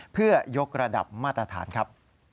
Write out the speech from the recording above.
เพื่อยกระดับมาตรฐานครับ